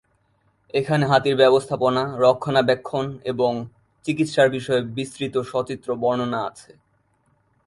এখানে হাতির ব্যবস্থাপনা, রক্ষণাবেক্ষণ এবং চিকিৎসার বিষয়ে বিস্তৃত সচিত্র বর্ণনা আছে।